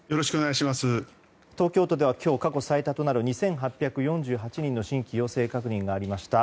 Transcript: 東京都では今日過去最多となる２８４８人の新規陽性確認がありました。